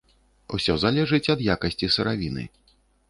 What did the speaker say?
Усё залежыць ад якасці сыравіны.